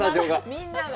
みんなが。